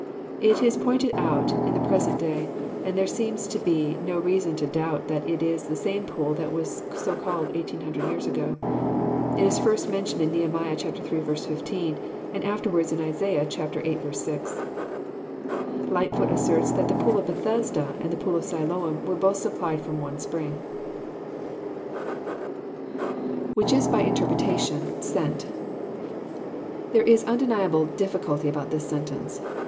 It is pointed out in the present day, and there seems no reason to doubt that it is the same pool that was so called eighteen hundred years ago. It Is first mentioned in Nehemiah iii. 15, and afterwards in Isaiah viii. 6. Lightfoot asserts that the pool of Bethesda and the pool of Siloam were both supplied fi:om one spring. 7 n 146 EXPOSITORY THOUGHTS. IWhiehU by interpretation, Sent."] There is nndenlable diffi culty about this sentence.